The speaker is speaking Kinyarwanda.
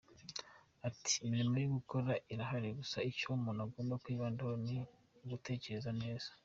Ati “Imirimo yo gukora irahari, gusa icyo umuntu agomba kwibandaho ni ugutekereza neza.